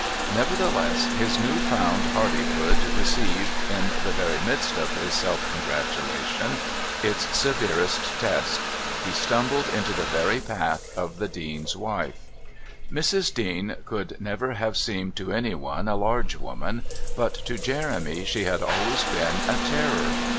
Nevertheless, his new found hardihood received, in the very midst of his self congratulation, its severest test. He stumbled into the very path of the Dean's wife. Mrs. Dean could never have seemed to anyone a large woman, but to Jeremy she had always been a terror.